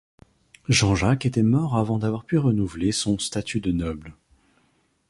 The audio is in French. Jean-Jacques était mort avant d'avoir pu renouveler son statut de noble.